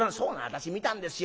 私見たんですよ」。